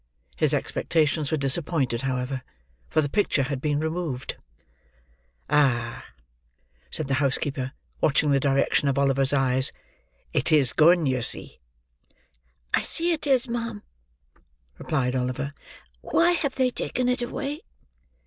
His expectations were disappointed, however, for the picture had been removed. "Ah!" said the housekeeper, watching the direction of Oliver's eyes. "It is gone, you see." "I see it is ma'am," replied Oliver. "Why have they taken it away?"